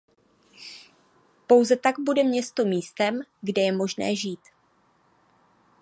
Pouze tak bude město místem, kde je možné žít.